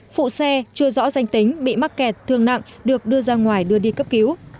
phụ xe chưa rõ danh tính bị mắc kẹt thương nặng được đưa ra ngoài đưa đi cấp cứu